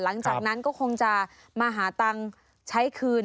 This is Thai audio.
หลังจากนั้นก็คงจะมาหาตังค์ใช้คืน